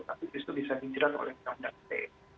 tapi justru bisa dijerat oleh undang undang ite